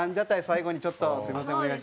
最後にちょっとすみません